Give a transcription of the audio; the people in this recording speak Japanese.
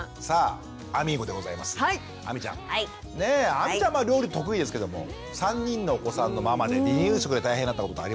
亜美ちゃんまあ料理得意ですけども３人のお子さんのママで離乳食で大変だったことはありますか？